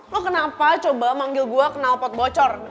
lo kenapa coba manggil gue kenal pot bocor